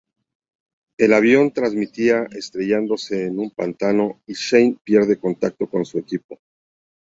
El avión termina estrellándose en un pantano y Shane pierde contacto con su equipo.